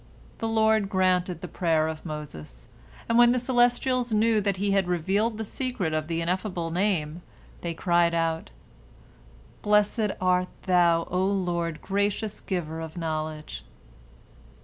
The Lord granted the prayer of Moses, and when the celestials knew that He had revealed the secret of the Ineffable Name, they cried out, "Blessed art Thou, O Lord, gracious Giver of knowledge!"